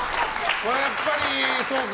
これはやっぱりそうか。